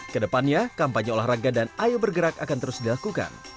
kedepannya kampanye olahraga dan ayo bergerak akan terus dilakukan